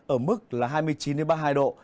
ở mức là hai mươi chín ba mươi hai độ